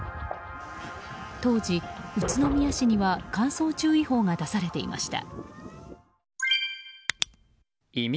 当時、宇都宮市には乾燥注意報が出されていました。